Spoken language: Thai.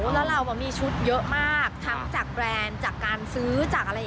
แล้วเรามีชุดเยอะมากทั้งจากแบรนด์จากการซื้อจากอะไร